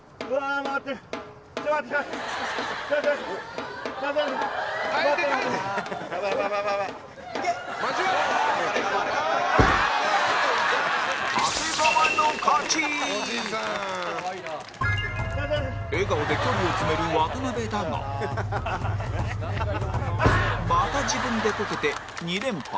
また自分でこけて２連敗